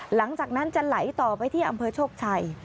หลังจากนั้นจะไหลต่อไปที่อำเภอโชคชัย